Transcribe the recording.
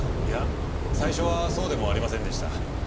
いや最初はそうでもありませんでした。